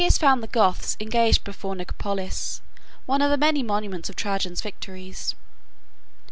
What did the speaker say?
] Decius found the Goths engaged before Nicopolis, one of the many monuments of Trajan's victories.